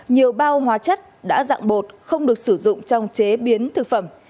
nhiều bao hóa chất đã dạng bột không được sử dụng trong chế biến thực phẩm